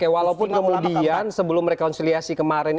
walaupun kemudian sebelum rekonsiliasi kemarin